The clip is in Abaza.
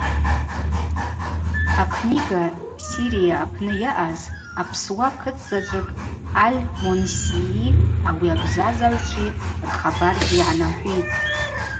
Акнига Сирия апны йаъаз апсуа кытзаджвыкӏ Аль-Момсийи ауи абзазагӏвчви рхабаргьи гӏанахӏвитӏ.